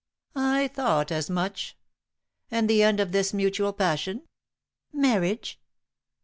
"I thought as much. And the end of this mutual passion?" "Marriage?"